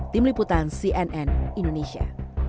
tim liputan cnn indonesia